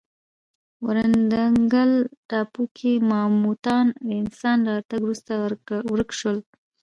ورانګل ټاپو کې ماموتان د انسان له راتګ وروسته ورک شول.